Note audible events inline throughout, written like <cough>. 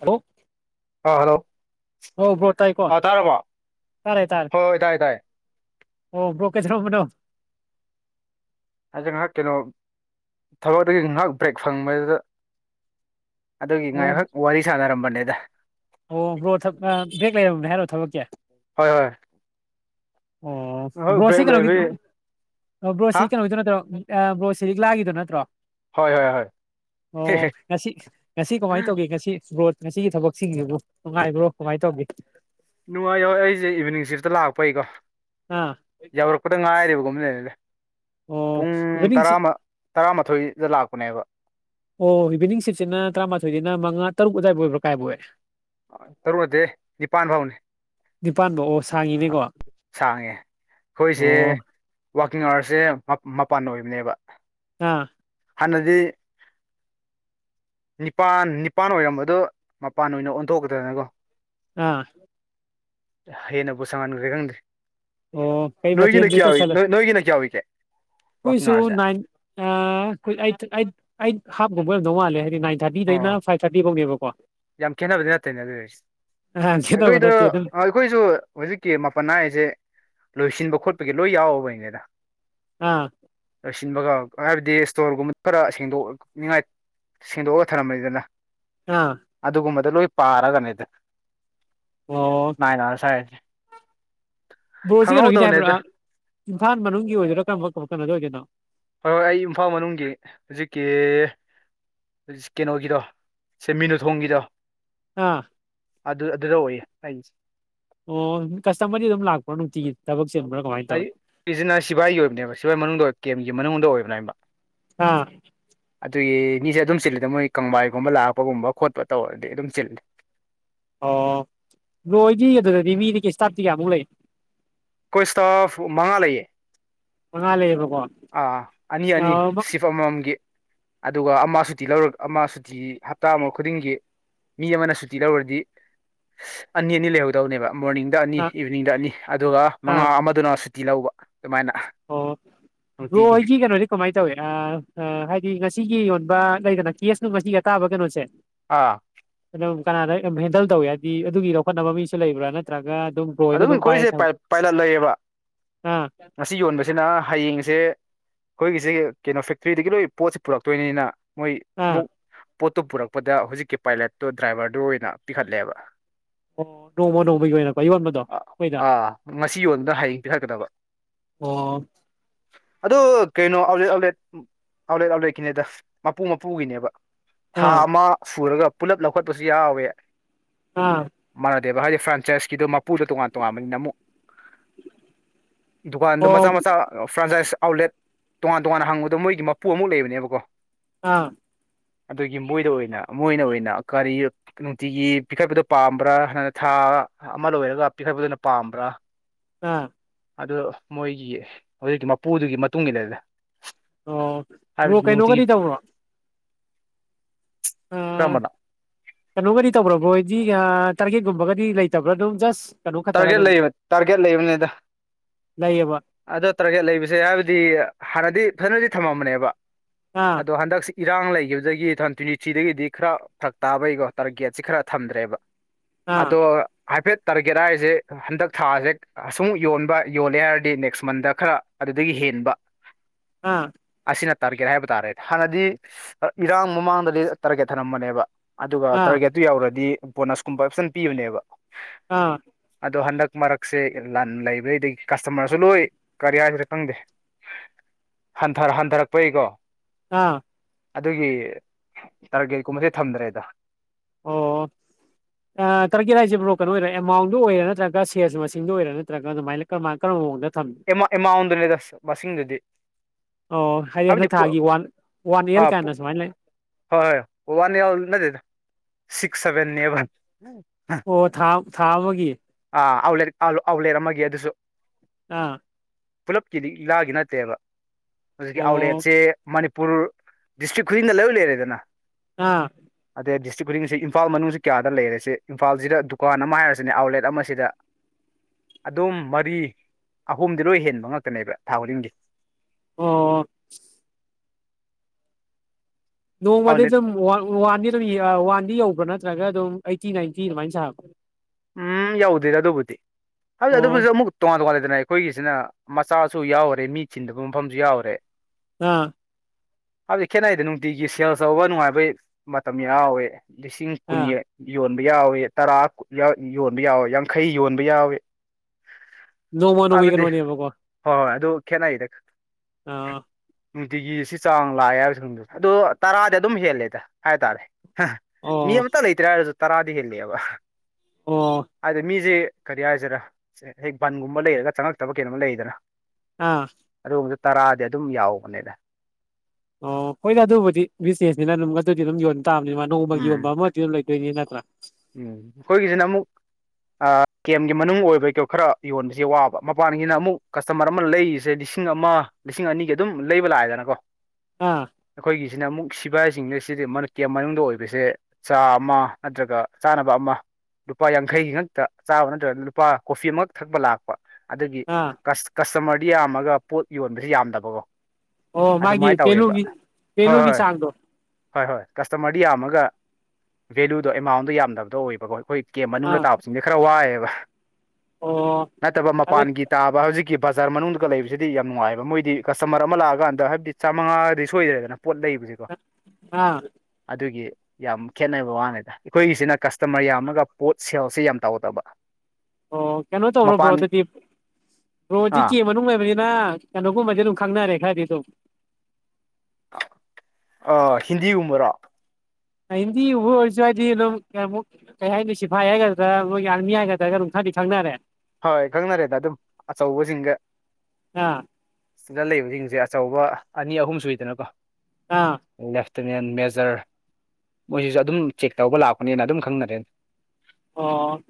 hello ꯑꯥ hello ꯑꯣ bro ꯇꯥꯏꯀꯣ ꯑꯥ ꯇꯥꯔꯕꯣ ꯇꯥꯔꯦ ꯇꯥꯔꯦ ꯍꯣꯏ ꯍꯣꯏ ꯇꯥꯏꯌꯦ ꯇꯥꯏꯌꯦ ꯑꯣ ꯭ꯔꯣ ꯀꯦ ꯊ꯭ꯔꯣ ꯃꯅꯣ ꯍꯥꯏꯗꯤ ꯉꯥꯏꯍꯥꯛ ꯀꯩꯅꯣ ꯊꯕꯛ ꯑꯗꯨꯒꯤ ꯉꯥꯏꯍꯥꯛ ꯕ꯭ꯔꯦꯛ ꯐꯪꯕꯗꯨꯗ ꯑꯗꯨꯒꯤ ꯑꯣ ꯉꯥꯏꯍꯥꯛ ꯋꯥꯔꯤ ꯁꯥꯟꯅꯔꯝꯕꯅꯦꯗ ꯑꯣ ꯕ꯭ꯔꯣ ꯊꯛ ꯑ ꯕ꯭ꯔꯦꯛ ꯂꯩꯔꯔꯕꯅꯦ ꯍꯥꯏꯔꯣ ꯊꯕꯛꯀꯦ ꯍꯣꯏ ꯍꯣꯏ ꯑꯣ ꯉꯥꯏꯍꯥꯛ ꯕ꯭ꯔꯦꯛ ꯕ꯭ꯔꯣꯁꯁꯤ ꯀꯩꯅꯣꯒꯤ ꯂꯩꯕꯩ ꯍꯥ ꯕ꯭ꯔꯣꯁꯁꯤ ꯀꯩꯅꯣꯒꯤꯗꯨ ꯅꯠꯇ꯭ꯔꯣ ꯑꯦ ꯕ꯭ꯔꯣ ꯁꯤ ꯂꯤꯛꯂꯥꯒꯤꯗꯣ ꯅꯠꯇ꯭ꯔꯣ ꯍꯣꯏ ꯍꯣꯏ ꯍꯣꯏ ꯑꯣ ꯉꯁꯤ ꯉꯁꯤ ꯀꯃꯥꯏꯅ ꯇꯧꯒꯦ ꯉꯁꯤ ꯕ꯭ꯔꯣ ꯉꯁꯤꯒꯤ ꯊꯕꯛꯁꯤꯡꯁꯤꯕꯨ ꯅꯨꯡꯉꯥꯏꯕ꯭ꯔꯣ ꯀꯃꯥꯏꯅ ꯇꯧꯒꯦ ꯅꯨꯡꯉꯥꯏ ꯌꯦ ꯍꯣꯏ ꯑꯩꯁꯦ ꯏꯚꯤꯅꯤꯡ ꯁꯤꯞꯇ ꯂꯥꯛꯄ ꯒꯤꯀꯣ ꯑꯥ ꯌꯧꯔꯛꯄꯗ ꯉꯥꯏꯔꯦꯔꯤꯕꯒꯨꯝ ꯂꯩꯗ ꯑꯣ ꯄꯨꯡ ꯏꯚꯤꯅꯤꯡ ꯇꯔꯥꯃ ꯇꯔꯥꯃꯥꯊꯣꯏꯗ ꯂꯥꯛꯄꯅꯦꯕ ꯑꯣ ꯏꯚꯤꯅꯤꯡ ꯁꯤꯞꯁꯤꯅ ꯇꯔꯥꯃꯥꯊꯣꯏꯁꯤꯅ ꯃꯉꯥ ꯇꯔꯨꯛ ꯑꯗꯨꯋꯥꯏꯕ ꯑꯣꯏꯕ꯭ꯔꯥ ꯀꯥꯏꯕꯣ ꯑꯣꯏ ꯇꯔꯨꯛ ꯅꯠꯇꯦ ꯅꯤꯄꯥꯟ ꯐꯥꯎꯅꯤ ꯅꯤꯄꯥꯥꯟ ꯕꯣꯛ ꯑꯣ ꯁꯥꯡꯉꯤꯅꯦꯀꯣ ꯁꯥꯡꯉꯦ ꯑꯩꯈꯣꯏꯁꯦ ꯑꯣ ꯋꯥꯛꯀꯤꯡ ꯑꯥꯋꯥꯔꯁꯦ ꯃꯄꯥꯟ ꯑꯣꯏꯕꯅꯦꯕ ꯑꯥ ꯍꯥꯟꯅꯗꯤ ꯅꯤꯄꯥꯟ ꯅꯤꯄꯥꯟ ꯑꯣꯏꯔꯝꯕꯗꯣ ꯃꯄꯥꯟ ꯑꯣꯏꯅ ꯑꯣꯟꯊꯣꯛꯈ꯭ꯔꯦꯗꯅꯀꯣ ꯑꯥ ꯑ ꯍꯦꯟꯅꯕꯨ ꯁꯥꯡꯍꯟꯈ꯭ꯔꯦ ꯈꯪꯗ꯭ꯔꯤ ꯑꯣ ꯀꯩ ꯃꯥꯊꯦꯜꯗꯤ ꯇꯧꯁꯜꯂꯛ ꯅꯣꯏ ꯅꯣꯏꯒꯤꯅ ꯀꯌꯥ ꯑꯣꯏꯒꯦ ꯋꯥꯛꯀꯤꯡ ꯍꯣꯏꯁꯤꯕꯨ ꯑꯋꯥꯔꯁꯦ ꯅꯥꯏꯟ ꯑ ꯈꯣ ꯑꯩꯗ ꯑꯩꯗ ꯑꯩꯗ ꯍꯥꯞꯀꯨꯝꯕ ꯑꯣꯏꯔꯝꯗꯧ ꯃꯥꯜꯂꯤ ꯍꯥꯏꯗꯤ ꯅꯥꯏꯟ ꯊꯔꯇꯤꯗꯩꯅ ꯑꯣ ꯐꯥꯏꯚ ꯊꯥꯔꯇꯤ ꯐꯧꯅꯦꯕꯀꯣ ꯌꯥꯝ ꯈꯦꯠꯅꯕꯗꯤ ꯅꯠꯇꯦꯅꯦ ꯑꯗꯨ ꯑꯗꯨꯗꯤ ꯁ ꯑ ꯈꯦꯠꯅꯕ ꯑꯩꯈꯣꯏꯗꯣ ꯅꯠꯇꯦ ꯑꯗꯨꯝ ꯑ ꯑꯩꯈꯣꯏꯁꯨ ꯍꯧꯖꯤꯛꯀꯤ ꯃꯥꯄꯟ ꯍꯥꯏꯁꯦ ꯂꯣꯏꯁꯤꯟꯕ ꯈꯣꯠꯄꯒꯤ ꯂꯣꯏ ꯌꯥꯎꯕꯩꯅꯦꯗ ꯑꯥ ꯄꯩꯁꯤꯟꯕꯒ ꯍꯥꯏꯕꯗꯤ ꯏꯁꯇꯣꯔꯒꯨꯝꯕ ꯈꯔ ꯁꯦꯡꯗꯣꯛꯅꯤꯉꯥꯏ ꯁꯦꯡꯗꯣꯛꯑꯒ ꯊꯔꯝꯃꯅꯤꯗꯅ ꯑꯥ ꯑꯗꯨꯒꯨꯝꯕꯗ ꯂꯣꯏ ꯄꯥꯔꯒꯅꯦꯗ ꯑꯣ ꯅꯥꯏꯟ ꯑꯥꯔꯁ ꯍꯥꯏꯔꯤꯁꯦ ꯕꯣꯔꯣ ꯀꯤ ꯀꯩꯅꯣꯒꯤꯗꯤ ꯍꯥꯏꯕ꯭ꯔꯣ ꯈꯪꯍꯧꯗꯕꯅꯦꯗ ꯑ ꯏꯝꯐꯥꯜ ꯃꯅꯨꯡꯒꯤ ꯑꯣꯏꯗꯣꯏꯔꯥ ꯀꯝꯕ ꯀꯩꯅꯣꯗ ꯑꯣꯏꯗꯣꯏꯅꯣ ꯍꯣꯏ ꯍꯣꯏ ꯑꯩ ꯏꯝꯐꯥꯜ ꯃꯅꯨꯡꯒꯤ ꯍꯧꯖꯤꯛꯀꯤ ꯁ ꯀꯩꯅꯣꯒꯤꯗꯣ ꯆꯦꯟꯃꯤꯟꯅꯨ ꯊꯣꯡꯒꯤꯗꯣ ꯑꯥ ꯑꯗꯨ ꯑꯗꯨꯗ ꯑꯣꯏꯌꯦ ꯑꯩꯒꯤꯁꯦ ꯑꯣ ꯀꯁꯇꯃꯔ ꯗꯤ ꯑꯗꯨꯝ ꯂꯥꯛꯄ꯭ꯔꯣ ꯅꯨꯡꯇꯤꯒꯤ ꯊꯕꯛ ꯆꯤꯟꯕ꯭ꯔꯥ ꯀꯃꯥꯏꯅ ꯑꯩ ꯇꯧꯋꯤ ꯁꯤꯁꯤꯅ ꯁꯤꯚꯥꯏꯒꯤ ꯑꯣꯏꯕꯅꯦꯕ ꯁꯤꯐꯏ ꯃꯅꯨꯡꯗ ꯀꯦꯝꯒꯤ ꯃꯅꯨꯡꯗ ꯑꯣꯏꯕꯅ ꯍꯥꯏꯕ ꯑꯥ ꯑꯗꯨꯒꯤ ꯃꯤꯁꯦ ꯑꯗꯨꯝ ꯆꯤꯜꯂꯦꯗ ꯃꯣꯏ ꯀꯪꯕꯥꯏꯒꯨꯝꯕ ꯂꯥꯛꯄꯒꯨꯝꯕ ꯈꯣꯠꯄ ꯇꯧꯔꯗꯤ ꯑꯗꯨꯝ ꯆꯤꯜꯂꯦ ꯑꯣ ꯕ꯭ꯔꯣꯍꯣꯏꯗꯤ ꯑꯗꯨꯗꯗꯤ ꯃꯤꯗꯤ ꯀꯩ ꯏꯁꯇꯥꯐꯇꯤ ꯀꯌꯥꯃꯨꯛ ꯂꯩ ꯑꯩꯈꯣꯏ ꯏꯁꯇꯥꯐ ꯃꯉꯥ ꯂꯩꯌꯦ ꯃꯉꯥ ꯂꯩꯌꯦꯕꯀꯣ ꯑꯥ ꯑꯅꯤ ꯑꯅꯤ ꯑꯥ ꯃ ꯁꯤꯐ ꯑꯃ ꯃꯝꯒꯤ ꯑꯗꯨꯒ ꯑꯃ ꯁꯨꯇꯤ ꯂꯧꯔꯛ ꯑꯃ ꯁꯨꯇꯤ ꯍꯞꯇꯥ ꯑꯃꯛ ꯈꯨꯗꯤꯡꯒꯤ ꯃꯤ ꯑꯃꯅ ꯁꯨꯇꯤ ꯂꯧꯔꯗꯤ ꯑꯅꯤ ꯑꯅꯤ ꯂꯩꯍꯧꯗꯧꯅꯦꯕ ꯃꯣꯔꯅꯤꯡꯗ ꯑꯅꯤ ꯑꯥ ꯏꯚꯤꯅꯤꯡꯗ ꯑꯅꯤ ꯑꯗꯨꯒ ꯃꯉꯥ ꯑꯥ ꯑꯃꯗꯨꯅ ꯁꯨꯇꯤ ꯂꯧꯕ ꯑꯗꯨꯃꯥꯏꯅ ꯑꯣ ꯅꯨꯡꯇꯤꯒꯤ ꯕ꯭ꯔꯣꯍꯣꯏꯒꯤ ꯀꯩꯅꯣꯗꯤ ꯀꯃꯥꯏꯅ ꯇꯧꯋꯤ ꯍꯥꯏꯗꯤ ꯉꯁꯤꯒꯤ ꯌꯣꯟ ꯕ ꯂꯩꯗꯅ ꯀꯦꯁ ꯅꯨꯡ ꯉꯁꯤꯒꯤ ꯑꯇꯥꯥꯕ ꯀꯩꯅꯣꯁꯦ ꯑꯥ ꯁꯨꯝ ꯀꯅꯥꯗ ꯑꯦꯝ ꯍꯦꯟꯗꯜ ꯇꯧꯋꯤ ꯍꯥꯏꯗꯤ ꯑꯗꯨꯒꯤ ꯂꯧꯈꯠꯅꯕ ꯃꯤꯁꯨ ꯂꯩꯕ꯭ꯔꯥ ꯅꯠꯇ꯭ꯔꯒ ꯄ꯭ꯔꯣꯍꯣꯏꯅ ꯑꯗꯨꯝ ꯄꯥꯏꯔ ꯑꯩꯈꯣꯏꯁꯦ ꯊꯝ ꯄꯥꯏ ꯄꯥꯏꯂꯟ ꯂꯩꯌꯦꯕ ꯑꯥ ꯑꯁꯤ ꯌꯣꯟꯕꯁꯤꯅ ꯍꯌꯦꯡꯁꯦ ꯑꯩꯈꯣꯏꯒꯤꯁꯦ ꯀꯩꯅꯣ ꯐꯦꯛꯇ꯭ꯔꯤꯗꯒꯤ ꯂꯣꯏ ꯄꯣꯠꯁꯤ ꯄꯨꯔꯛꯇꯣꯏꯅꯤꯅꯤꯅ ꯃꯣꯏ ꯑꯥ ꯃꯨꯛ ꯄꯣꯠꯇꯨ ꯄꯨꯔꯛꯄꯗ ꯍꯧꯖꯤꯛꯀꯤ ꯄꯥꯏꯂꯦꯠꯇꯨ ꯗ꯭ꯔꯥꯏꯚꯔꯗꯨ ꯑꯣꯏꯅ ꯄꯤꯈꯠꯂꯦꯕ ꯑꯣ ꯅꯣꯡꯃ ꯅꯣꯡꯧꯕꯩꯒꯤ ꯀꯅ ꯑꯥ ꯉꯁꯤ ꯌꯣꯟꯕꯗꯅ ꯍꯌꯦꯡ ꯄꯤꯔꯛꯀꯗꯕ ꯑꯣ ꯑꯗꯨ ꯀꯩꯅꯣ ꯑꯥꯎꯠꯂꯦꯠ ꯑꯥꯎꯠꯂꯦꯠ ꯑꯥꯎꯠꯂꯦꯠ ꯑꯥꯎꯠꯂꯦꯠꯀꯤꯅꯦꯗ ꯃꯄꯨ ꯃꯄꯨꯒꯤꯅꯦꯕ ꯊꯥ ꯑꯥ ꯑꯃ ꯁꯨꯔꯒ ꯄꯨꯂꯞ ꯂꯧꯈꯠꯄꯁꯨ ꯌꯥꯎꯋꯦ ꯑꯥ ꯗꯦꯕ ꯍꯥꯏꯗꯤ ꯐ꯭ꯔꯥꯟꯆꯥꯏꯁꯀꯤꯗꯨꯣ ꯃꯄꯨꯗꯣ ꯇꯣꯉꯥꯟ ꯇꯣꯉꯥꯟꯕꯅꯤꯅ ꯑꯃꯨꯛ ꯗꯨꯀꯥꯟꯗ ꯑꯣ ꯃꯆꯥ ꯃꯆꯥ ꯐ꯭ꯔꯥꯟꯁꯥꯏꯁ ꯑꯥꯎꯠꯂꯦꯠ ꯇꯣꯉꯥꯟ ꯇꯣꯉꯥꯟꯅ ꯍꯪꯕꯗꯣ ꯃꯣꯏꯒꯤ ꯃꯄꯨ ꯑꯃꯨꯛ ꯂꯩꯕꯅꯦꯕꯀꯣ ꯑꯥ ꯑꯗꯨꯒꯤ ꯃꯣꯏꯗ ꯑꯣꯏꯅ ꯃꯣꯏꯅ ꯑꯣꯏꯅ ꯀꯒꯥꯔꯤ ꯅꯨꯡꯇꯤꯒꯤ ꯄꯤꯈꯠꯄꯗꯣ ꯄꯥꯝꯕ꯭ꯔꯥ ꯍꯅ ꯊꯥ ꯑꯃ ꯂꯣꯏꯔꯒ ꯄꯤꯈꯠꯄꯗꯨꯅ ꯄꯥꯝꯕ꯭ꯔꯥ ꯑꯥ ꯑꯗꯨ ꯃꯣꯏꯒꯤ ꯍꯧꯖꯤꯛꯀꯤ ꯃꯄꯨꯗꯨꯒꯤ ꯃꯇꯨꯡꯒꯤꯟꯅꯗꯅ ꯑꯣ ꯃ꯭ꯔꯣ ꯀꯩꯅꯣꯒꯗꯤ ꯇꯧꯕ꯭ꯔꯣ ꯑ ꯀꯔꯝꯕꯅꯣ ꯀꯩꯅꯣꯒꯗꯤ ꯇꯧꯔꯕꯣꯗꯤ ꯇꯥꯔꯒꯦꯠꯀꯨꯝꯕꯒꯗꯤ ꯂꯩꯇꯕ꯭ꯔꯥ ꯑꯗꯨꯝ ꯖꯁ ꯀꯩꯅꯣ ꯈꯛꯇꯔ ꯇꯥꯔꯒꯦꯠ ꯑꯗꯨꯝ ꯂꯩꯕ ꯇꯥꯔꯒꯦꯠ ꯂꯩꯕꯅꯤꯗ ꯂꯩꯌꯦꯕ ꯑꯗꯣ ꯇꯥꯔꯒꯦꯠ ꯂꯩꯕꯁꯦ ꯍꯥꯏꯕꯗꯤ ꯍꯥꯟꯅꯗꯤ ꯐꯖꯅꯗꯤ ꯊꯝꯃꯝꯕꯅꯦꯕ ꯑꯥ ꯑꯗꯣ ꯍꯟꯗꯛꯁꯤ ꯏꯔꯥꯡ ꯂꯩꯈꯤꯕꯗꯒꯤ ꯊ ꯇꯨꯋꯅꯤꯊ꯭ꯔꯤꯗꯒꯤꯗꯤ ꯈꯔ ꯐꯛ ꯇꯥꯕꯩꯀꯣ ꯇꯥꯔꯒꯦꯠꯁꯤ ꯈꯔ ꯊꯝꯗ꯭ꯔꯦꯕ ꯑꯥ ꯑꯗꯣ ꯍꯥꯏꯐꯦꯠ ꯀꯦꯠ ꯍꯥꯏꯔꯤꯁꯦ ꯍꯟꯗꯛ ꯊꯥꯁꯦ ꯑꯁꯨꯝ ꯌꯣꯟꯕ ꯌꯣꯜꯂꯦ ꯍꯥꯏꯔꯗꯤ ꯅꯦꯛꯁ ꯃꯟꯗ ꯈꯔ ꯑꯗꯨꯗꯒꯤ ꯍꯦꯟꯕ <inaudible> ꯑꯥ ꯁꯤꯅ ꯇꯥꯔꯒꯦꯠ ꯍꯥꯏꯕ ꯇꯥꯔꯦ ꯍꯥꯟꯅꯗꯤ ꯏꯔꯥꯡ ꯃꯃꯥꯡꯗꯗꯤ ꯇꯥꯔꯒꯦꯠ ꯊꯔꯝꯕꯅꯦꯕ ꯑꯗꯨꯒ ꯑꯥ ꯇꯥꯔꯒꯦꯠꯇꯨ ꯌꯎꯔꯗꯤ ꯕꯣꯅꯁꯀꯨꯝꯕ ꯐꯞꯁꯟ ꯄꯤꯕꯅꯦꯕ ꯑ ꯑꯗꯣ ꯍꯟꯗꯛ ꯃꯔꯛꯁꯦ ꯂꯟ ꯂꯩꯕꯩꯗꯒꯤ ꯀꯁꯇꯃꯔꯁꯨ ꯂꯣꯏ ꯀꯔꯤꯌꯥꯔꯁꯤꯗ ꯈꯪꯗꯦ ꯍꯟꯊ ꯍꯟꯊꯔꯛꯄꯩꯀꯣ ꯑꯥ ꯑꯗꯨꯒꯤ ꯇꯥꯔꯒꯦꯠ ꯀꯨꯝꯕꯁꯦ ꯊꯝꯗ꯭ꯔꯦꯗ ꯇꯔꯛꯦꯠ ꯍꯥꯏꯁꯤꯦꯕ꯭ꯔꯣ ꯀꯩꯅ ꯑꯣꯏꯔꯥ ꯑꯦꯃꯟꯗ ꯑꯣꯏꯔꯥ ꯅꯠꯇ꯭ꯔꯒ ꯁꯦꯔꯁ ꯃꯁꯤꯡꯣ ꯑꯣꯏꯔꯥ ꯅꯠꯇ꯭ꯔꯒ ꯑꯗꯨꯃꯥꯏ ꯀꯔ ꯀꯔꯝꯕ ꯃꯑꯣꯗ ꯑꯦꯃꯥ ꯏꯃꯥ ꯑꯣꯟꯗꯨ ꯂꯩꯗꯁ ꯁꯤꯡꯗꯨꯗꯤ ꯑꯣ ꯍꯥꯏꯗꯤ ꯍꯟꯗꯛ ꯊꯥꯒꯤ ꯋꯥꯟ ꯋꯥꯟ ꯏꯜ ꯑꯥ ꯀꯥꯏꯅ ꯁꯨꯃꯥꯏꯅ ꯂꯩ ꯍꯣꯏ ꯍꯣꯏ ꯋꯥꯟ ꯏ ꯅ ꯁꯤꯁ ꯁꯦꯕꯟꯕ ꯑꯣ ꯊꯥ ꯊꯥ ꯑꯃꯒꯤ ꯑ ꯑꯥꯎꯂꯦ ꯑꯥꯎꯠꯂꯦꯠ ꯑꯃꯒꯤ ꯑꯗꯨꯁꯨ ꯑꯥ ꯄꯨꯂꯞꯀꯤꯗꯤ ꯂꯥꯒꯤ ꯅꯠꯇꯦꯕ ꯍꯧꯖꯤꯛꯀꯤ ꯑꯣ ꯑꯥꯎꯠꯂꯦꯠꯁꯦ ꯃꯅꯤ ꯎꯄꯨꯔ ꯗꯤꯁꯇ꯭ꯔꯤꯛ ꯈꯨꯗꯤꯡꯗ ꯂ ꯂꯩꯔꯦꯗꯅ ꯑꯥ ꯑꯗꯩ ꯗꯤꯁꯇ꯭ꯔꯤꯛ ꯈꯨꯗꯤꯡꯁꯦ ꯏꯝꯐꯥꯜ ꯃꯅꯨꯡꯁꯤ ꯀꯌꯥꯗ ꯂꯩꯔꯁꯦ ꯏꯝꯐꯥꯜꯁꯤꯗ ꯗꯨꯀꯥꯟ ꯑꯃ ꯍꯥꯏꯔꯁꯤꯅꯦ ꯑꯥꯎꯠꯂꯦꯠ ꯑꯃꯁꯤꯗ ꯑꯗꯨꯝ ꯃꯔꯤ ꯑꯍꯨꯝꯗꯤ ꯂꯣꯏ ꯍꯦꯟꯕ ꯉꯥꯛꯛꯇꯅꯦꯕ ꯊꯥ ꯍꯗꯤꯡꯒꯤ ꯑꯣ ꯅꯧ ꯃ ꯑꯥꯎꯠꯂꯦꯠ ꯋꯥꯅꯤꯔ ꯋꯥ ꯌꯧꯕ꯭ꯔꯥ ꯅꯠꯇ꯭ꯔꯒ ꯑꯗꯨꯝ ꯑꯩꯠꯇꯤ ꯅꯥꯏꯟꯇꯤ ꯑꯗꯨꯃꯥꯏꯅ ꯁꯥꯕ꯭ꯔꯥ ꯎꯝ ꯌꯥꯎꯗꯦꯗ ꯑꯗꯨꯕꯨꯗꯤ ꯍꯥꯏꯗꯤ ꯑꯣ ꯑꯗꯨꯕꯨꯗꯤ ꯑꯃꯨꯛ ꯇꯣꯉꯥꯟ ꯇꯣꯉꯥꯟ ꯑꯗꯨꯅ ꯑꯩꯈꯣꯏꯒꯤꯁꯤꯅ ꯃꯆꯥꯁꯨ ꯌꯥꯎꯔꯦ ꯃꯤ ꯊꯤꯟꯗꯕ ꯃꯐꯝꯁꯨ ꯌꯥꯎꯔꯦ ꯑꯥ ꯍꯥꯏꯕꯗꯤ ꯈꯦꯠꯅꯩꯗ ꯅꯨꯡꯇꯤꯒꯤ ꯁꯦꯜꯁ ꯇꯧꯕ ꯅꯨꯡꯉꯥꯏꯕꯩ ꯃꯇꯝ ꯌꯥꯎꯋꯦ ꯂꯤꯁꯤꯡ ꯑꯥ ꯀꯨꯟꯌ‌ꯦ ꯌꯣꯟꯕ ꯌꯥꯎꯋꯦꯌ‌ꯦ ꯇꯔꯥ ꯌꯥꯎ ꯌꯣꯟꯕ ꯌꯥꯎꯋꯦ ꯌꯥꯡꯈꯩ ꯌꯣꯟꯕ ꯌꯥꯎꯋꯤ ꯅꯣꯡꯃ ꯅꯣꯡꯃꯒꯤ ꯍꯥꯏꯕꯗꯤ ꯀꯩꯅꯣꯅꯦꯕꯀꯣ ꯍꯣꯏ ꯍꫭꯏ ꯑꯗꯨ ꯈꯦꯠꯅꯩꯗ ꯑꯥ ꯅꯨꯡꯇꯤꯒꯤꯁꯤ ꯆꯥꯡ ꯂꯥꯛꯑꯦ ꯍꯥꯏꯕꯁꯤꯡꯗ ꯑꯗꯣ ꯇꯔꯥꯗꯤ ꯑꯗꯨꯝ ꯍꯦꯜꯂꯦꯗ ꯍꯥꯏꯇꯥꯔꯦ ꯍꯥ ꯃꯤ ꯑꯣ ꯑꯝꯇ ꯂꯩꯇ꯭ꯔꯦ ꯍꯥꯏꯔꯖꯨ ꯇꯔꯥꯗꯤ ꯍꯦꯜꯂ‌ꯦꯕ ꯑꯣ ꯍꯥꯏꯗꯤ ꯃꯤꯖ‌ꯦ ꯀꯔꯤ ꯍꯥꯏꯖꯤꯔ ꯍꯦꯛ ꯕꯟꯒꯨꯝꯕ ꯂꯩꯔꯒ ꯆꯪꯉꯛꯇꯕ ꯀꯩꯅꯣꯝꯃ ꯂꯩꯗꯅ ꯑꯥ ꯑꯗꯨꯒꯨꯝꯕꯗ ꯇꯔꯥꯗꯤ ꯑꯗꯨꯝ ꯌꯥꯎꯕꯅꯦꯗ ꯑꯣ ꯍꯣꯏꯗꯥ ꯑꯗꯨꯕꯨꯗꯤ ꯕꯤꯆ‌ꯦꯁꯅꯤꯅ ꯑꯗꯨꯝ ꯑꯗꯨꯗꯤ ꯑꯗꯨꯝ ꯌꯣꯟꯕ ꯇꯥꯕꯅꯤ ꯃꯥ ꯅꯣꯡꯃꯒꯤ ꯌꯣꯟꯕ ꯎꯝ ꯑꯃꯗꯤ ꯑꯗꯨꯝ ꯂꯩꯗꯣꯏꯅꯤ ꯅꯠ ꯎꯝ ꯑꯩꯈꯣꯏꯒꯤꯖꯤꯅ ꯑꯃꯨꯛ ꯑꯥ ꯀꯦꯝꯒꯤ ꯃꯅꯨꯡ ꯑꯣꯏꯕꯩꯀꯣ ꯈꯔ ꯌꯣꯟꯕꯁꯦ ꯋꯥꯕ ꯃꯄꯥꯟꯒꯤꯅ ꯑꯃꯨꯛ ꯀꯁꯇꯃꯔ ꯑꯃ ꯂꯩꯔꯤꯁꯦ ꯂꯤꯁꯤꯡ ꯑꯃ ꯂꯤꯁꯤꯡ ꯑꯅꯤꯒꯤ ꯑꯗꯨꯝ ꯂꯩꯕ ꯂꯥꯛꯑꯦꯗꯅꯀꯣ ꯑꯥ ꯑꯩꯈꯣꯏꯒꯤꯖꯤꯅ ꯃꯨꯛ ꯁꯤꯕꯥꯏꯁꯤꯡꯅ ꯁꯤꯗꯤ ꯃꯥꯅ ꯀꯦꯝ ꯃꯅꯨꯡꯗ ꯑꯣꯏꯕꯁꯦ ꯆꯥ ꯑꯃ ꯅꯠꯇ꯭ꯔꯒ ꯆꯥꯅꯕ ꯑꯃ ꯂꯨꯄꯥ ꯌꯥꯡꯈꯩꯒꯤ ꯉꯛꯇ ꯆꯥꯕ ꯅꯠꯇ꯭ꯔꯒ ꯂꯨꯄꯥ ꯀꯣꯐꯤ ꯑꯃꯈꯛ ꯊꯛꯄ ꯂꯥꯛꯄ ꯑꯗꯨꯒꯤ ꯑꯥ ꯀꯁ ꯀꯁꯇꯝ ꯃꯔꯗꯤ ꯌꯥꯝꯃꯒ ꯄꯣꯠ ꯌꯣꯟꯕꯖ‌ꯦ ꯌꯥꯝꯗꯕꯀꯣ ꯑꯣ ꯃꯥꯒꯤ ꯑꯗꯨꯝꯃꯥꯏ ꯇꯧꯋꯦꯕ ꯚꯦꯂꯨꯒꯤ ꯍꯣꯏ ꯚꯦꯂꯨꯒꯤ ꯍꯣꯏ ꯆꯥꯡꯗꯣ ꯍꯣꯏ ꯍꯣꯏ ꯀꯁꯇꯝꯃꯔꯗꯤ ꯌꯥꯝꯃꯒ ꯚꯦꯂꯨꯗꯣ ꯑꯦꯃꯥꯎꯟꯗꯣ ꯌꯥꯝꯗꯕꯗꯣ ꯑꯣꯏꯕꯀꯣ ꯑꯩꯈꯣꯏ ꯀꯦꯝ ꯃꯅꯨꯡꯗ ꯑꯥ ꯇꯥꯕꯁꯤꯡꯖ‌ꯦ ꯈꯔ ꯋꯥꯏꯑꯦꯕ ꯑꯣ ꯅꯠꯇꯕ ꯑꯗꯨ ꯃꯄꯥꯟꯒꯤ ꯇꯥꯕ ꯍꯧꯖꯤꯛꯀꯤ ꯕꯖꯥꯔ ꯃꯅꯨꯡꯗꯒ ꯂꯩꯕꯖꯤꯗꯤ ꯌꯥꯝ ꯅꯨꯡꯉꯥꯏꯑ‌ꯦꯕ ꯃꯣꯏꯗꯤ ꯀꯁꯇꯃꯔ ꯑꯃ ꯂꯥꯛꯑꯒꯀꯥꯟꯗ ꯍꯥꯏꯕꯗꯤ ꯆꯥꯃꯉꯥꫪꯗꯤ ꯁꯣꯏꯗ꯭ꯔꯦꯗꯅ ꯄꯣꯠ ꯂꯩꯕꯖ‌ꯦꯀꯣ ꯑꯥ ꯑꯗꯨꯒꯤ ꯌꯥꯝ ꯈꯦꯠꯅꯕ ꯋꯥꯅꯤꯗ ꯑꯩꯈꯣꯏꯒꯤꯁꯤꯅ ꯀꯁꯇꯃꯔ ꯌꯥꯝꯃꯒ ꯄꯣꯠ ꯁꯦꯜꯁꯦ ꯌꯥꯝ ꯇꯥꯎꯗꯕ ꯑꯣ ꯀꯩꯅꯣ ꯇꯧꯕ꯭ꯔꯣ ꯕ꯭ꯔꯣꯗꯨꯗꯤ ꯕ꯭ꯔꯣꯗꯤ ꯑꯥ ꯀ‌ꯦꯝ ꯃꯅꯨꯡ ꯂꯩꯕꯅꯤꯅ ꯅ ꯀꯩꯅꫭ ꯒꯨꯝꯕꯗꯤ ꯑꯗꯨꯝ ꯈꯪꯅꫪꯩ ꯈꯔꯥꯗꯤ ꯑꯗꯨꯝ ꯑ ꯍꯤꯟꯗꯤꯒꯨꯝꯕꯔꫭ ꯑꯥ ꯍꯤꯟꯗꯤ ꯒꯨꯝꯕ ꯑꯣꯏꯔꯖꯨ ꯍꯥꯏꯗꯤ ꯑꯗꯨꯝ ꯀꯩꯌꯥꯃꯨꯛ ꯀꯩ ꯍꯥꯏꯅꯤ ꯁꯤꯐꯥꯏ ꯍꯥꯏꯒꯗ꯭ꯔꯥ ꯃꯣꯏꯒꯤ ꯑꯔꯃꯤ ꯍꯥꯏꯒꯗ꯭ꯔꯥ ꯑꯗꯨꯝ ꯊ ꯈꯔꯗꯤ ꯈꯪꯅꯔꯦ ꯍꯣꯏ ꯈꯪꯅꯔꯦꯗ ꯑꯗꯨꯝ ꯑꯆꯧꯕꯖꯤꯡꯒ ꯑꯥ ꯁꯤꯗ ꯂꯩꯕꯖꯤꯡꯖ‌ꯦ ꯑꯆꯧꯕ ꯑꯅꯤ ꯑꯍꯨꯝ ꯁꯨꯏꯗꯅꯀꯣ ꯑꯥ ꯇꯅ‌ꯦꯟ ꯃꯦꯖꯔ ꯃꯣꯏꯖꯤꯖꯨ ꯑꯗꯨꯝ ꯆꯦꯛ ꯇꯧꯕ ꯂꯥꯛꯄꯅꯦꯅ ꯑꯗꯨꯝ ꯈꯪꯅꯔꯦ ꯑꯣ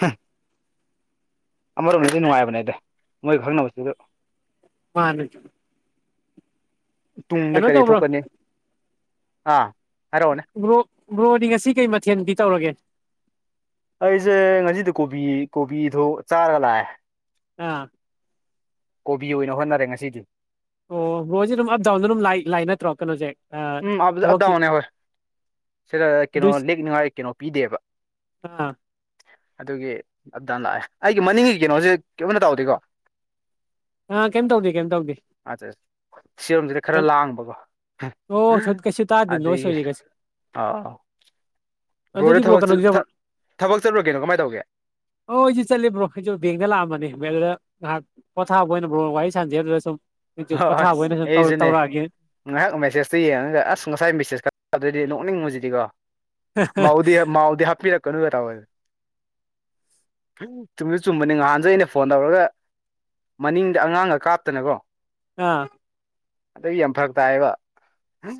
ꯍ ꯑꯃꯔꯣꯝꯗꯗꯤ ꯅꯨꯡꯉꯥꯏꯕꯅꯦꯗ ꯃꯣꯏ ꯈꯪꯅꯕꯁꯤꯁꯨ ꯃꯥꯅꯦ ꯇꯨꯡꯗ ꯀꯩꯅꯣ ꯀꯔꯤ ꯇꯧꯕ꯭ꯔꯣ ꯊꯣꯛꯀꯅꯤ ꯑꯥ ꯍꯥꯏꯔꯛꯑꯣꯅꯦ ꯕ꯭ꯔꯣ ꯕ꯭ꯔꯣꯗꯤ ꯉꯁꯤ ꯀꯩ ꯃꯊꯦꯜꯗꯤ ꯇꯧꯔꯒꯦ ꯑꯩꯖ‌ꯦ ꯉꯁꯤꯗꯤ ꯀꯣꯕꯤ ꯀꯣꯕꯤꯗꯨ ꯆꯥꯔꯒ ꯂꯥꯛꯑꯦ ꯑꯥ ꯀꯣꯕꯤ ꯑꯣꯏꯅ ꯍꯣꯠꯅꯔꯦ ꯉꯁꯤꯗꯤ ꯑꯣ ꯕ꯭ꫪꫭꯖ‌ꯦ ꯑꯗꯨꯝ ꯑꯞ ꯗꯥꯎꯗ ꯑꯗꯨꯝ ꯂꯥꯏ ꯂꯥꯛꯏ ꯅꯠꯇ꯭ꯔꯣ ꯀꯩꯅꯣꯖ‌ꯦ ꯎꯝ ꯑꯞ ꯑꯞ ꯗꯥꯎꯅ‌ꯦ ꯑꯩꯈꫭꯏ ꯁꯤꯗ ꯀꯩꯅꯣ ꯑꯗꯨꯏ ꯂꯦꯛꯅꯤꯡꯉꯥꯏ ꯀꯩꯅꯣ ꯄꯤꯗꯦꯕ ꯑꯥ ꯑꯗꯨꯒꯤ ꯑꯞꯗꯥꯟ ꯂꯥꯛꯑꯦ ꯑꯩꯒꯤ ꯃꯅꯤꯡꯒꯤ ꯀꯩꯅꯣꯖ‌ꯦ ꯀꯩꯕꯟꯗ ꯇꯧꯗ‌ꯦꯀꯣ ꯑꯥ ꯀꯩꯝ ꯇꯧꯗꯦ ꯀꯩꯝ ꯇꯧꯗꯦ ꯑꯆꯔ ꯁꯤꯌꯨꯝꯖꯤꯅ ꯈꯥꯔ ꯂꯥꯡꯕꯀꯣ ꯑꯣ ꯀꯩꯁꯨ ꯇꯥꯗꯦ ꯅꯣꯏꯁ ꯑꯗꯨꯏꯒꯤ ꯑꯣꯏꯗꯦ ꯀꯩꯁꯨ ꯑꯥꯎ ꯕ꯭ꯔꯣꯗꯤ ꯑꯗꯨꯗꯤ ꯕ꯭ꯔꯣ ꯊꯕꯛ ꯀꯩꯅꯣꯗꯤ ꯆꯠꯊꯥ ꯊꯥꯕꯛꯆꯠꯂꯨꯔꯒꯦꯗꫭ ꯀꯃꯥꯏ ꯇꯧꯒꯦ ꯍꯣꯏꯁꯨ ꯆꯠꯂꯤꯕ꯭ꯔꯣ ꯑꯩꯁꯨ ꯕꯦꯡꯗ ꯂꯥꯛꯑꯃꯅꯦ ꯑꯗꯨꯗ ꯉꯍꯥꯛ ꯄꯣꯊꯥꯕ ꯑꯣꯏꯅ ꯋꯥꯔꯤ ꯁꯖꯦ ꯑꯗꯨ ꯁꯨꯝ ꯍꯣꯏ ꯄꯣꯊꯥꯕ ꯑꯣꯏꯅ ꯍꯣꯏ ꯁꯨꯝ ꯑꯩꯁꯨꯅꯦ ꯇꯧꯔꯛꯑꯒꯦ ꯉꯥꯏꯍꯥꯛ ꯃꯦꯁꯦꯖꯇ ꯌꯦꯡꯉꯒ ꯑꯁ ꯉꯁꯥꯏ ꯃꯦꯁꯦꯖ ꯈꯗꯗꯤ ꯅꯣꯛꯅꯤꯡꯉꯨꯁꯤꯗꯤꯀꯣ ꯃꯥꯎꯗꯤ ꯃꯥꯎꯗ ꯍꯥꯞꯄꯤꯔꯛꯀꯅꯨ ꯀꯥꯢꯅ ꯇꯧꯕ ꯎ ꯆꯨꯝꯁꯨ ꯆꯨꯝꯕꯅꯤ ꯉꯍꯥꯟꯁꯦ ꯑꯩꯅ ꯐꯣꯟ ꯇꯧꯔꯒ ꯃꯅꯤꯡꯗ ꯑꯉꯥꯡꯒ ꯀꯥꯞꯇꯅꯀꯣ ꯑꯥ ꯑꯗꯨꯒꯤ ꯌꯥꯝ ꯐꯔꯛ ꯇꯥꯏꯌꯦꯕ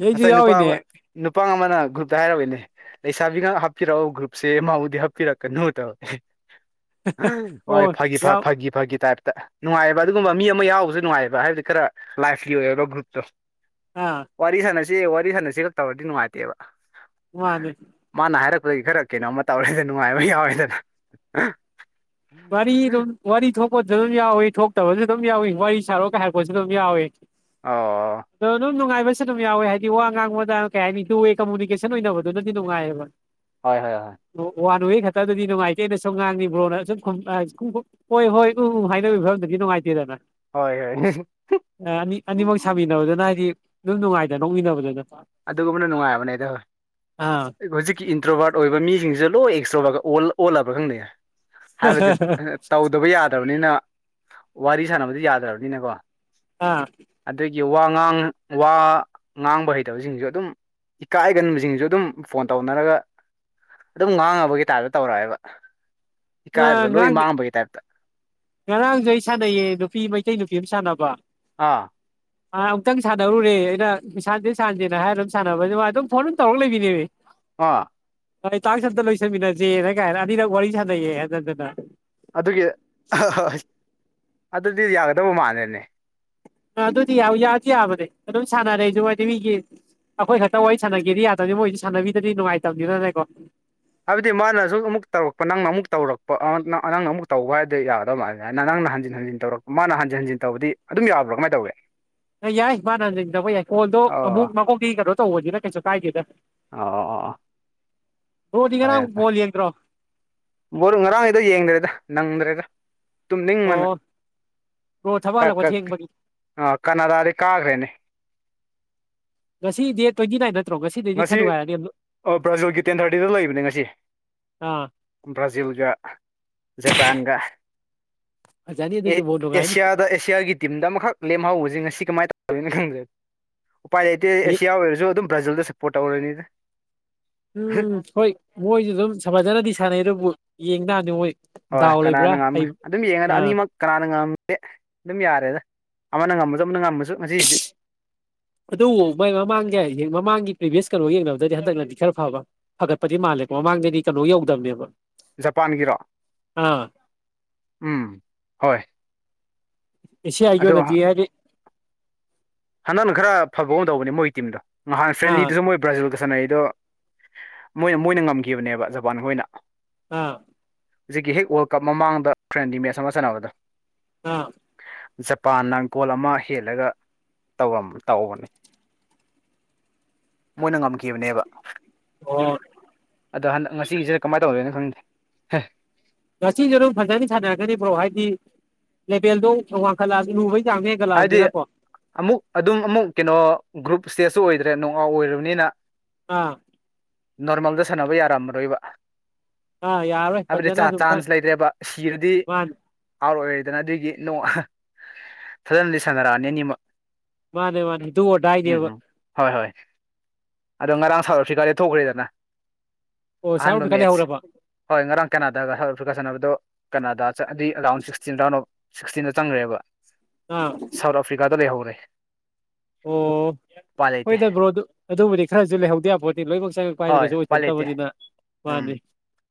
ꯑꯩꯁꯨ ꯉꯁꯥꯏ ꯅꯨꯄꯥ ꯌꯥꯎꯔꯤꯅꯦ ꯑꯃ ꯅꯨꯄꯥ ꯑꯃ ꯒ꯭ꯔꯨꯞꯇ ꯍꯥꯏꯔꯕꯣꯏꯅꯦ ꯂꯩꯁꯥꯕꯤꯒ ꯍꯥꯞꯄꯤꯔꯛꯑꯣ ꯒ꯭ꯔꯨꯞꯁꯦ ꯃꯥꯕꯨꯗꯤ ꯍꯥꯞꯄꯤꯔꯛꯀꯅꯨ ꯇꯧ ꯐ ꯑꯣ ꯐ ꯌꯥꯎ ꯐꯥꯒꯤ ꯐꯥꯒꯤ ꯇꯥꯢ ꯅꯨꯡꯉꯥꯏꯕ ꯑꯗꯨꯒꯨꯝꯕ ꯃꯤ ꯑꯃ ꯌꯥꯎꯕꯁꯨ ꯅꯨꯡꯉꯥꯏꯕ ꯍꯥꯏꯕꯗꯤ ꯈꯔ ꯂꯥꯏꯐꯂꯤ ꯑꯣꯏꯔꯣ ꯒ꯭ꯔꯨꯨꯞꯇꯣ ꯑꯥ ꯋꯥꯔꯤ ꯁꯥꯟꯅꯁꯤ ꯋꯥꯔꯤ ꯁꯥꯟꯅꯁꯤ ꯈꯛꯇꯧꯔꯗꯤ ꯅꯨꯡꯉꯥꯏꯇꯦꯕ ꯋꯥꯗꯦ ꯑꯗꯒꯤ ꯈꯔ ꯀꯩꯅꯣꯝ ꯇꯧꯔꯦꯗ ꯅꯨꯡꯉꯥꯏꯕ ꯌꯥꯎꯋꯦꯗꯅ ꯋꯥꯔꯤꯔꯤ ꯋꯥꯔꯤ ꯋꯥꯔꯤ ꯊꯣꯛꯄꯣ ꯑꯗꯨꯝ ꯌꯥꯎꯏ ꯊꯣꯛꯇꯕꯁꯨ ꯑꯗꯨꯝ ꯌꯥꯎꯏꯤ ꯋꯥꯔꯤ ꯁꯥꯔꯣꯒ ꯍꯥꯏꯔꯛꯄꯁꯨ ꯑꯗꯨꯝ ꯌꯥꯎꯏꯤ ꯑꯣ ꯗꯣ ꯗꯨꯝ ꯃꯅꯨꯡꯉꯥꯏꯕ ꯁꯨ ꯑꯗꯨꯝ ꯌꯥꯎꯋꯦ ꯍꯥꯏꯗꯤ ꯋꯥ ꯉꯥꯡꯕꯗ ꯀꯩ ꯍꯥꯏꯅꯤ ꯇꯨꯋꯦ ꯀꯃꯨꯅꯤꯀꯦꯁꯟ ꯑꯣꯏꯅꯕꯗꯨꯅ ꯅꯨꯡꯉꯥꯏꯌꯦꯕ ꯍꯣꯏ ꯍꯣꯏ ꯍꯣꯏ ꯅꯣꯏꯒꯤ ꯈꯛꯇꯗꯗꯤ ꯅꯨꯡꯉꯥꯏꯇꯦꯅ ꯁꯨꯝ ꯉꯥꯡꯅꯤꯡꯕ꯭ꯔꯣꯅ ꯁꯨꯝ ꯍꯣꯏ ꯍꯣꯏ ꯎꯝ ꯎ ꯍꯥꯏꯅꯕꯤꯒꯤ ꯐꯤꯕꯗꯗꯤ ꯅꯨꯡꯉꯥꯏꯇꯦꯗꯅ ꯍꯣꯏ ꯍꯣꯏ ꯍꯣꯏ ꯑꯅꯤ ꯑꯅꯤꯃꯛ ꯁꯥꯃꯤꯟꯅꯕꯗꯅ ꯍꯥꯏꯗꯤ ꯂꯣꯏ ꯅꯨꯡꯉꯥꯏꯗꯅ ꯅꯣꯛꯃꯤꯟꯅꯕꯗꯨꯅ ꯑꯗꯨꯒꯨꯝꯕꯅ ꯅꯨꯡꯉꯥꯏꯕꯅꯦꯗ ꯍꯣꯏ ꯑꯥ ꯍꯧꯖꯤꯛꯀꯤ ꯏꯟꯇ꯭ꯔꯣꯕꯥꯔꯠ ꯑꯣꯏꯕ ꯃꯤꯁꯤꯡꯁꯤꯁꯨ ꯂꯣꯏ ꯑꯦꯛꯁꯇ꯭ꯔꯣꯕꯥꯔ ꯑꯣꯜꯂꯕ꯭ꯔꯥ ꯈꯪꯗꯌꯦ ꯍꯥꯏꯕꯗꯤ ꯇꯧꯗꯕ ꯌꯥꯗꯕ ꯅꯤꯅ ꯋꯥꯔꯤ ꯁꯥꯟꯅꯕꯗꯤ ꯌꯥꯗ꯭ꯔꯕꯅꯤꯅꯀꯣ ꯑꯥ ꯑꯗꯨꯒꯤ ꯋꯥ ꯉꯥꯡ ꯋꯥ ꯉꯥꯡꯕ ꯍꯩ ꯀꯩꯗꯕꯁꯤꯡꯁꯨ ꯑꯗꯨꯝ ꯏꯀꯥꯏ ꯍꯒꯟꯕꯁꯤꯡꯁꯨ ꯑꯗꯨꯝ ꯐꯣꯟ ꯇꯧꯅꯔꯒ ꯑꯗꯨꯝ ꯉꯥꯡꯉꯕꯒꯤ ꯇꯥꯏꯞꯇ ꯇꯧꯔꯛꯑꯦꯕ ꯏꯀꯥꯏꯕꯒ ꯂꯣꯏ ꯉꯔꯥꯡ ꯃꯥꯡꯕꯒꯤ ꯇꯥꯏꯞꯇ ꯉꯔꯥꯡꯁꯨ ꯑꯩ ꯁꯥꯟꯅꯩꯌꯦ ꯅꯨꯄꯤ ꯃꯩꯇꯩ ꯅꯨꯄꯤ ꯑꯃ ꯁꯥꯟꯅꯕ ꯑꯥ ꯑꯥ ꯑꯃꯨꯛꯇꯪ ꯁꯥꯟꯅꯔꯨꯔꯦ ꯑꯩꯅꯁꯥꯟꯖꯦ ꯁꯥꯟꯁꯦꯅ ꯍꯥꯏꯔ ꯑꯗꯨꯝ ꯁꯥꯟꯅꯕ ꯑꯗꯨꯃ ꯑꯗꯨꯝ ꯐꯣꯟ ꯑꯗꯨꯝ ꯇꯧꯔꯒ ꯂꯩꯕꯤꯅꯦꯃꯤ ꯑ ꯑꯩ ꯇꯥꯛꯁ ꯑꯝꯇ ꯂꯣꯏꯁꯟꯃꯤꯟꯅꯁꯦꯅ ꯀꯥꯏꯅ ꯑꯅꯤꯔꯛ ꯋꯥꯔꯤ ꯁꯥꯟꯅꯩꯌꯦ ꯍꯟꯗꯅ ꯑꯗꯨꯒꯤ ꯑꯗꯨꯗꯤ ꯌꯥꯒꯗꯕ ꯃꯥꯜꯂꯦꯅꯦ ꯑ ꯑꯗꯨꯗꯤ ꯌꯥꯗꯤ ꯌꯥꯕꯅꯦ ꯑꯗꯨꯝ ꯁꯥꯟꯅꯔꯦꯁꯨꯋꯥꯗꯤ ꯃꯤꯒꯤ ꯑꯩꯈꯣꯏ ꯈꯛꯇ ꯋꯥꯔꯤ ꯁꯥꯟꯅꯒꯦꯗꯤ ꯌꯥꯗꯕꯅꯤ ꯃꯣꯏꯗꯤ ꯁꯥꯟꯅꯕꯤꯗꯗꯤ ꯅꯨꯡꯉꯥꯏꯇꯕꯅꯤꯅꯅꯦꯀꯣ ꯍꯥꯏꯕꯗꯤ ꯃꯥꯅꯁꯨ ꯑꯃꯨꯛ ꯇꯧꯔꯛꯄ ꯅꯪꯅ ꯑꯃꯨꯛ ꯇꯧꯔꯛꯄ ꯅꯪ ꯑꯃꯨꯛ ꯇꯧꯕ ꯍꯥꯏꯗꯤ ꯌꯥꯗꯧ ꯃꯥꯜ ꯍꯥꯏꯅ ꯅꯪ ꯃꯥꯅ ꯍꯟꯖꯤꯟꯖꯤꯟ ꯇꯧꯔꯛ ꯃꯥꯅ ꯍꯟꯖꯤꯟꯖꯤꯟ ꯇꯧꯕꯗꯤ ꯑꯗꯨꯝ ꯌꯥꯕ꯭ꯔꯥ ꯀꯃꯥꯏꯅ ꯇꯧꯒꯦ ꯌꯥꯏ ꯃꯥꯅ ꯌꯦꯗꯕ ꯌꯥꯏ ꯀꯣꯟꯗꯣ ꯑꯃꯨꯛ ꯑꯣ ꯃꯈꯀꯣꯛꯒꯤ ꯀꯩꯅꯣ ꯇꯧꯕꯅꯤꯅ ꯀꯩꯁꯨ ꯀꯥꯏꯗꯦꯗ ꯑ ꯔꯣꯗꯤꯒꯦꯅꯥ ꯐꯣꯜꯂꯤ ꯌꯦꯟ ꯀ꯭ꯔꯣ ꯕꯣꯔꯣ ꯉꯔꯥꯡꯉꯩꯗꯣ ꯌꯦꯡꯗ꯭ꯔꯦꯗ ꯅꯪꯗ꯭ꯔꯦꯗ ꯇꯨꯝꯅꯤꯡ ꯃꯅ ꯑꯣ ꯕ꯭ꯔꯣ ꯊꯕꯛ ꯀ ꯍꯜꯂꯛꯄ ꯀ ꯊꯦꯡꯕꯒꯤ ꯑ ꯀꯅꯥꯗꯥꯗꯤ ꯀꯥꯈ꯭ꯔꯦꯅꯦ ꯉꯁꯤ ꯗꯦꯠ ꯇ꯭ꯋꯦꯟꯇꯤ ꯅꯥꯢꯟ ꯉꯁꯤ ꯑꯣ ꯕ꯭ꯔꯥꯖꯣꯒꯤ ꯇꯦꯟ ꯊꯥꯔꯇꯤꯗ ꯂꯩꯕꯅꯦ ꯉꯁꯤ ꯑꯥ ꯕ꯭ꯔꯥꯖꯤꯜꯒ ꯖꯄꯥꯟꯒ ꯐꯖꯅꯤ ꯑꯗꯨꯁꯨ ꯕꯣꯜ ꯅꯨꯡꯉꯥꯏꯅꯤ ꯑꯦꯁꯤꯌꯥꯗ ꯑꯦꯁꯤꯌꯥꯒꯤ ꯇꯤꯝꯗ ꯑꯃꯈꯛ ꯂꯦꯝꯍꯧꯕꯁ ꯉꯁꯤ ꯀꯃꯥꯏꯅ ꯇꯧꯒꯦꯅ ꯈꯪꯗꯦ ꯎꯄꯥꯏ ꯂꯩꯇꯦ ꯑꯦꯁꯤꯌꯥ ꯑꯣꯏꯔꯁꯨ ꯑꯗꯨꯝ ꯕ꯭ꯔꯥꯖꯤꯜꯗ ꯁꯞꯄꯣꯔꯠ ꯇꯧꯔꯅꯤꯅ ꯎꯝ ꯍꯣꯏ ꯃꯣꯏꯁꯨ ꯑꯗꯨꯝ ꯁꯐꯖꯅꯗꯤ ꯁꯥꯟꯅꯩ ꯑꯗꯨꯕꯨ ꯌꯦꯡ ꯇꯥꯅꯤ ꯃꯣꯏ ꯍꯣꯏ ꯗꯥꯎ ꯂꯩꯕ꯭ꯔꯥ ꯀꯅꯥꯅ ꯉꯝꯃꯦ ꯍꯩ ꯑꯗꯨꯝ ꯌꯦꯡꯉꯗ ꯑꯥ ꯑꯅꯤꯃꯛ ꯀꯅꯥꯅ ꯉꯝꯃꯤ ꯑꯦ ꯑꯗꯨꯝ ꯌꯥꯔꯦꯗ ꯑꯃꯅ ꯉꯝꯃꯁꯨ ꯑꯃꯅ ꯉꯝꯃꯁꯨ ꯉꯁꯤꯗꯤ ꯑꯗꯨꯕꯨ ꯃꯣꯏ ꯃꯃꯥꯡꯁꯦ ꯃꯃꯥꯡꯒꯤ ꯄ꯭ꯔꯤꯚꯤꯌꯁ ꯀꯩꯅꯣ ꯌꯦꯡꯅꯕꯗꯗꯤ ꯍꯟꯗꯛꯅꯗꯤ ꯈꯔ ꯐꯕ ꯐꯒꯠꯄꯗꯤ ꯃꯥꯜꯂꯦꯀꯣ ꯃꯃꯥꯡꯗꯗꯤ ꯀꯣ ꯌꯧꯗꯕꯅꯦꯕ ꯖꯄꯥꯟꯒꯤꯔꯣ ꯑꯥ ꯎꯝ ꯍꯣꯏ ꯑꯦꯁꯤꯌꯥꯒꯤ ꯑꯗꯣ ꯑ‌ꯣꯏꯅꯗꯤ ꯍꯥꯏꯗꯤ ꯍꯟꯗꯛꯅ ꯈꯔ ꯐꯕꯒ ꯇꯧꯕꯅꯦ ꯃꯣꯏ ꯇꯤꯝꯗꯣ ꯅꯍꯥꯟ ꯑꯥ ꯐ꯭ꯔꯦꯟꯂꯤꯗꯨꯁꯨ ꯃꯣꯏ ꯕ꯭ꯔꯥꯖꯤꯜꯒ ꯁꯥꯟꯅꯩ ꯑꯗꯣ ꯃꯣꯏꯅ ꯃꯣꯏꯅ ꯉꯝꯈꯤꯕꯅꯦꯕ ꯖꯄꯥꯟ ꯈꯣꯏꯅ ꯑꯥ ꯍꯧꯖꯤꯛꯀꯤ ꯍꯦꯛ ꯋꯥꯔꯜ ꯀꯞ ꯃꯃꯥꯡꯗ ꯐ꯭ꯔꯦꯟꯗꯤ ꯃꯦꯠꯆ ꯑꯃ ꯆꯠꯅꯕꯗ ꯑꯥ ꯖꯄꯥꯟꯅ ꯒꯣꯜ ꯑꯃ ꯍꯦꯜꯂꯒ ꯇꯧꯕꯅꯦ ꯃꯣꯏꯅ ꯉꯝꯈꯤꯕꯅꯦꯕ ꯑꯣ ꯑꯗꯣ ꯍꯟꯗꯛ ꯉꯁꯤꯒꯤꯁꯤꯗ ꯀꯃꯥꯏꯅ ꯇꯧꯗ‌ꯣꯏꯅꯣ ꯈꯪꯗꯦ ꯉꯁꯤꯁꯨ ꯑꯗꯨꯝ ꯐꯖꯅ ꯁꯥꯟꯅꯔꯛꯀꯅꯤꯕ꯭ꯔꯣ ꯍꯥꯏꯗꯤ ꯂꯦꯕꯦꯜꯗꯣ ꯋꯥꯡꯈꯠꯂ ꯂꯨꯕꯩ ꯍꯥꯏꯗꯤ ꯑꯃꯨꯛ ꯑꯗꯨꯝ ꯑꯃꯨꯛ ꯀꯩꯅꯣ ꯒ꯭ꯔꯨꯞ ꯏꯁꯇꯦꯖꯁꯨ ꯑꯣꯏꯗ꯭ꯔꯦ ꯅꯅꯨꯡꯉꯥꯎ ꯑꯣꯏꯔꯕꯅꯤꯅ ꯑꯥ ꯅꯣꯔꯃꯦꯜꯗ ꯁꯥꯟꯅꯕ ꯌꯥꯔꯝꯃꯔꯣꯏꯕ ꯑꯥ ꯌꯥꯔꯔꯣꯏ ꯍꯥꯏꯕꯗꯤ ꯐꯖꯅ ꯆꯥ ꯑꯗꯨꯝ ꯈꯔ ꯆꯥꯟꯁ ꯂꯩꯔꯦꯕ ꯁꯤꯔꯗꯤ ꯃꯥꯅꯦ ꯑꯥꯎꯔ ꯑꯣꯏꯔꯦꯗꯅ ꯑꯗꯨꯏꯒꯤ ꯅꯣꯡ ꯐꯖꯅꯗꯤ ꯁꯥꯟꯅꯔꯛꯑꯅꯤ ꯑꯅꯤꯃꯛ ꯃꯥꯅꯦ ꯃꯥꯅꯦ ꯗꯨ ꯑꯣꯔ ꯎꯝ ꯗꯥꯏꯅꯦꯕ ꯎꯝ ꯍꯣꯏ ꯍꯣꯏ ꯑꯗꯣ ꯉꯔꯥꯡ ꯁꯥꯎꯠ ꯑꯐ꯭ꯔꯤꯀꯥꯗ ꯊꯣꯛꯈ꯭ꯔꯦꯗꯅ ꯑꯣ ꯑꯍꯥꯟꯕ ꯁꯥꯔꯣꯕꯤ ꯈ ꯂꯩ ꯃꯦꯠꯁ ꯍꯧꯔꯕꯣ ꯍꯣꯏ ꯉꯔꯥꯡ ꯀꯅꯥꯗꯒ ꯈ ꯁꯥꯟꯅꯕꯗꯣ ꯀꯅꯥꯗ ꯆꯠꯂꯗꯤ ꯑꯔꯥꯎꯟ ꯁꯤꯛꯁꯇꯤꯟ ꯔꯥꯎꯟ ꯑꯣꯐ ꯁꯤꯛꯁꯇꯤꯟꯗ ꯆꯪꯈ꯭ꯔꯦꯕ ꯑꯥ ꯁꯥꯎꯠ ꯑꯐ꯭ꯔꯤꯀꯥꯗ ꯂꯩꯍꯧꯔꯦ ꯑꯣ ꯎꯄꯥꯏ ꯂꯩꯇꯦ ꯍꯣꯏꯗꯕ꯭ꯔꯣ ꯑꯗꯨ ꯑꯗꯨꯕꯨꯗꯤ ꯈꯔꯁꯨ ꯂꯩꯍꯧꯗꯦ ꯌꯥꯕꯣꯠ ꯂꯣꯏꯅꯃꯛ ꯆꯥꯏꯉꯛ ꯍꯣꯏ ꯄꯥꯏꯗꯅꯒꯩꯁꯨ ꯎꯄꯥꯏ ꯂꯩꯇꯦ ꯑꯣꯏꯊꯣꯛꯇꯕꯅꯤꯅ ꯎꯝ ꯃꯥꯅꯤ